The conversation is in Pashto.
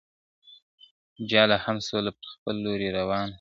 جاله هم سوله پر خپل لوري روانه ,